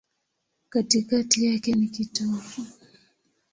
Katikati yake ni kitovu.